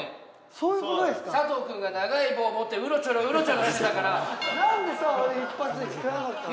そういうことですか佐藤君が長い棒持ってうろちょろうろちょろしてたから何でさあれ一発で聞かなかったの？